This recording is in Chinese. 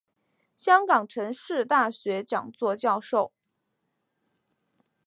香港城市大学讲座教授。